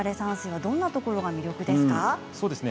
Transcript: どんなところが魅力ですか。